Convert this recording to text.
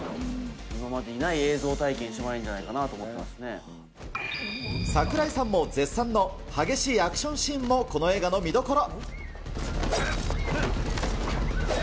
今までにない映像体験してもらえ櫻井さんも絶賛の激しいアクションシーンもこの映画の見どころ。